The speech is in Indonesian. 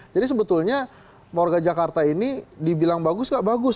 jadi sebetulnya morga jakarta ini dibilang bagus nggak bagus